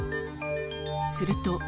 すると。